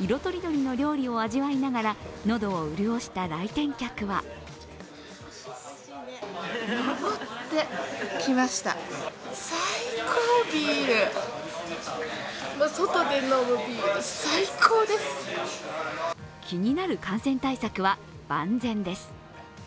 色とりどりの料理を味わいながら喉を潤した来店客は気になる感染対策は万全です。